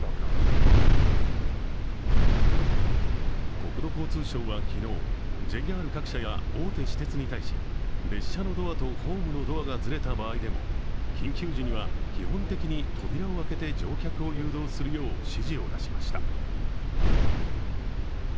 国土交通省は昨日、ＪＲ各社や大手私鉄に対し列車のドアとホームのドアがずれた場合でも緊急時には基本的に扉を開けて乗客を誘導するよう指示を出しました。